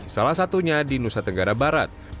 salah satunya di nusa tenggara barat